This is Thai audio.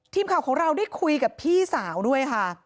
ทีมข่าวของเราได้คุยกับพี่สาวด้วยค่ะ